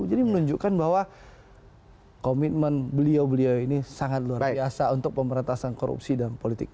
jadi menunjukkan bahwa komitmen beliau beliau ini sangat luar biasa untuk pemerintasan korupsi dan politik